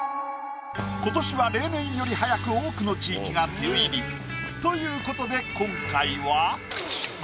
今年は例年より早く多くの地域が梅雨入り。という事で今回は。